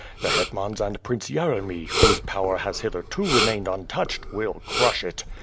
The hetmans and Prince Yeremy, whose power has hitherto remained untouched, will crush it.